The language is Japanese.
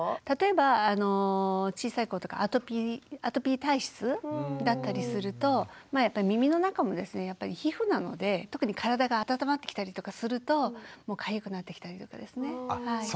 例えば小さい子とかアトピー体質だったりすると耳の中もですねやっぱり皮膚なので特に体が温まってきたりとかするとかゆくなってきたりとかですね。